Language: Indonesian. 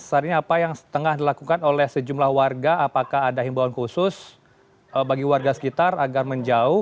saat ini apa yang tengah dilakukan oleh sejumlah warga apakah ada himbauan khusus bagi warga sekitar agar menjauh